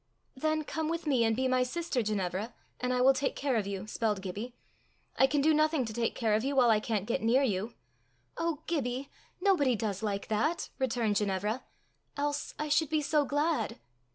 "Then come with me and be my sister, Ginevra, and I will take care of you," spelled Gibbie. "I can do nothing to take care of you while I can't get near you." "Oh, Gibbie! nobody does like that," returned Ginevra, " else I should be so glad!"